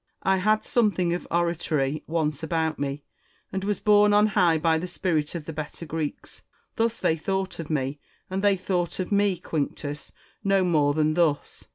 I had something of oratory once about me, and was borne on high by the spirit of the better Greeks, Thus they thought of me ; and they thought of me, Quinctus, no more than thus.